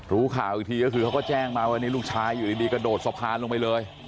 รู้ข่าวอีกทีก็คือเขาก็แจ้งมาว่านี่ลูกชายอยู่ดีกระโดดสะพานลงไปเลย